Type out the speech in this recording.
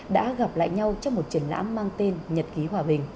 đã gặp lại nhau trong một triển lãm mang tên là nguyễn văn